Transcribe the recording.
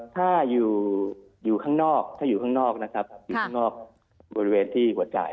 ถ้าอยู่ข้างนอกนะครับอยู่ข้างนอกบริเวณที่หัวจ่าย